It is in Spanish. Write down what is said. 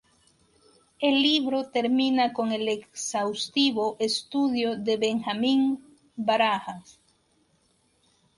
El libro termina con el exhaustivo estudio de Benjamín Barajas.